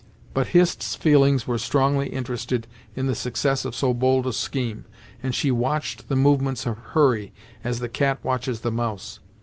But Hist's feelings were strongly interested in the success of so bold a scheme, and she watched the movements of Hurry as the cat watches the mouse.